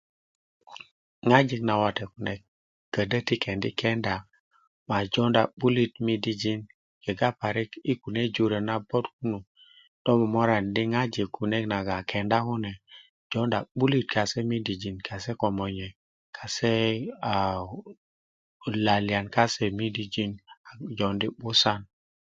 ŋwajik na wate kune kodo ti kendi kenda ma jonda 'bulit midijin kega parik i kume jurön nagon na bot kunu do momorani di ŋwajik naga na kenda kunu jonda 'bulit kase midijin kase ko monye kase lalian kase midijin a jondi 'busan